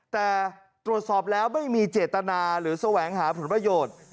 แต่ตรวจสอบแล้วไม่มีเจตนาหรือแสวงหาผลประโยชน์